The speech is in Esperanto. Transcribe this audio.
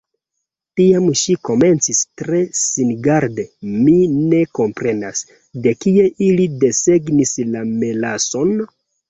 Tiam ŝi komencis tre singarde: "Mi ne komprenas. De kie ili desegnis la melason?"